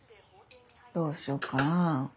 どうしようかな。